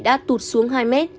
đã tụt xuống hai m